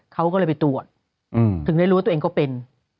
เขาก็เลยไปตรวจถึงได้รู้ว่าตัวเองก็เป็น